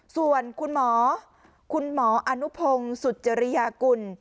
ส่วนคุณหมอคุณหมออนุพงศ์สุจริยากุล